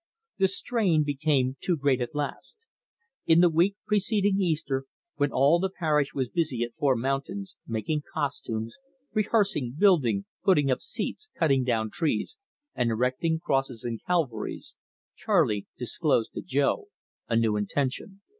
The strain became too great at last. In the week preceding Easter, when all the parish was busy at Four Mountains, making costumes, rehearsing, building, putting up seats, cutting down trees, and erecting crosses and calvaries, Charley disclosed to Jo a new intention.